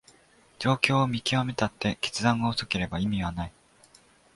状況を見極めたって決断が遅ければ意味はない